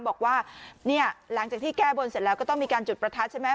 บอกว่าเนี่ยหลังจากที่แก้บนเสร็จแล้วก็ต้องมีการจุดประทัดใช่ไหม